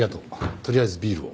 とりあえずビールを。